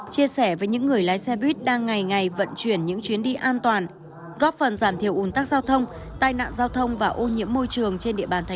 chia sẻ với những người lái xe buýt đang ngày ngày vận chuyển những chuyến đi an toàn góp phần giảm thiểu ủn tắc giao thông tai nạn giao thông và ô nhiễm môi trường trên địa bàn tp hcm